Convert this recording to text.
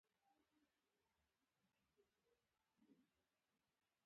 خټکی له زړه نه راځي، خولې ته نه.